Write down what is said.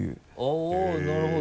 あっなるほど。